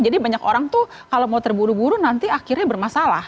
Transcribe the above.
jadi banyak orang tuh kalau mau terburu buru nanti akhirnya bermasalah